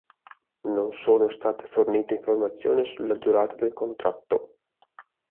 Non sono state fornite informazioni sulla durata del contratto.